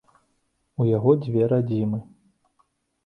У яго дзве радзімы.